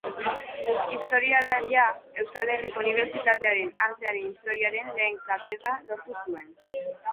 Historialaria, Euskal Herriko Unibertsitatearen Artearen Historiaren lehen katedra lortu zuen.